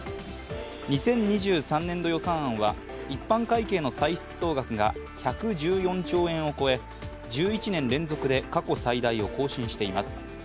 ２０２３年度予算案は、一般会計の歳出総額が１１４兆円を超え、１１年連続で過去最大を更新しています。